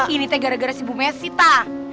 ini teh gara gara si bu mesi tak